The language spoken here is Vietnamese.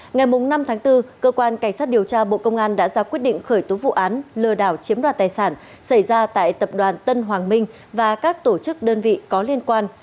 ngày năm tháng bốn cơ quan cảnh sát điều tra bộ công an đã ra quyết định khởi tố vụ án lừa đảo chiếm đoạt tài sản xảy ra tại tập đoàn tân hoàng minh và các tổ chức đơn vị có liên quan